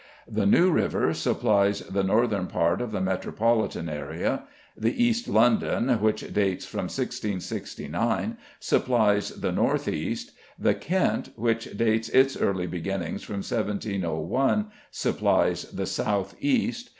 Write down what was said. The "New River" supplies the northern part of the metropolitan area; the "East London," which dates from 1669, supplies the north east; the "Kent," which dates its early beginnings from 1701, supplies the south east.